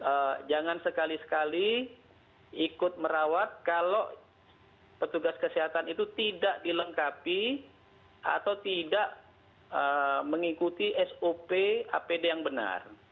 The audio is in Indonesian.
jangan sekali sekali ikut merawat kalau petugas kesehatan itu tidak dilengkapi atau tidak mengikuti sop apd yang benar